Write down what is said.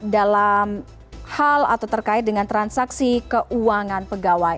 dalam hal atau terkait dengan transaksi keuangan pegawai